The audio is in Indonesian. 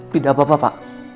tidak apa apa pak